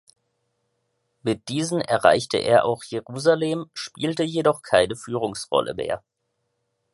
Mit diesen erreichte er auch Jerusalem, spielte jedoch keine Führungsrolle mehr.